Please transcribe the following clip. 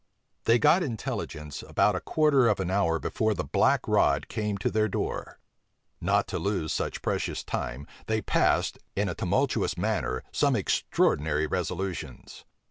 {1681.} They got intelligence about a quarter of an hour before the black rod came to their door. Not to lose such precious time, they passed, in a tumultuous manner, some extraordinary resolutions.